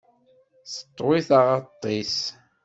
Teṭwi taɣaḍt-is.